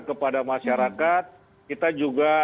kepada masyarakat kita juga